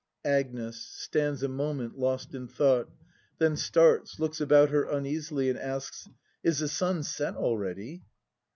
] Agnes. [Stands a moment lost in thought; then starts, looks about her uneasily, and asks.] Is the sun set already?